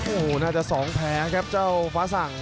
โอ้โหน่าจะสองแผลครับเจ้าฟ้าสั่ง